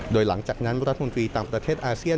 โดยหลังจากนั้นรัฐมนตรีต่างประเทศอาเซียน